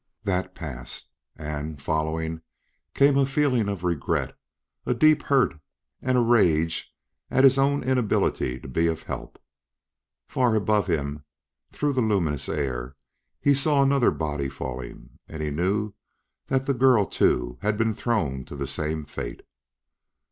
That passed; and, following, came a feeling of regret, a deep hurt and a rage at his own inability to be of help. For, above him, through the luminous air, he saw another body falling, and he knew that the girl, too, had been thrown to the same fate.